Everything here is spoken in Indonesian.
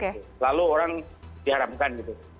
kalau orang diharamkan gitu